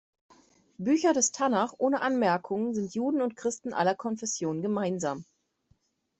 Bücher des Tanach ohne Anmerkung sind Juden und Christen aller Konfessionen gemeinsam.